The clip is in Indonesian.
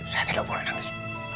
saya tidak boleh nangis